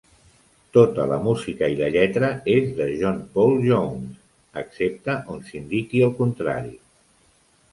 Tota la música i la lletra és de John Paul Jones, excepte on s'indiqui el contrari.